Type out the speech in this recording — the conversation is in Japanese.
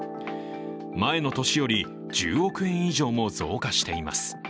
前の年より１０億円以上も増加しています。